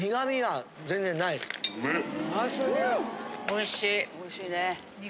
おいしいね。